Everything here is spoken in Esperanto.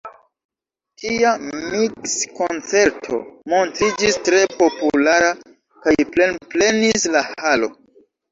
Tia miks-koncerto montriĝis tre populara kaj plenplenis la halo.